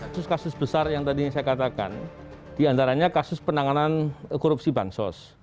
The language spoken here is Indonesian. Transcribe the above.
kasus kasus besar yang tadi saya katakan diantaranya kasus penanganan korupsi bansos